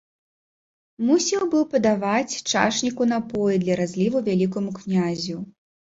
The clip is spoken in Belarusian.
Мусіў быў падаваць чашніку напоі для разліву вялікаму князю.